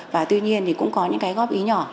và tuy nhiên thì cũng có những cái góp ý nhỏ